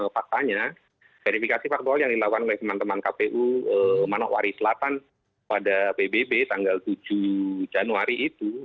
faktanya verifikasi faktual yang dilakukan oleh teman teman kpu manokwari selatan pada pbb tanggal tujuh januari itu